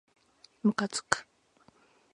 むかつく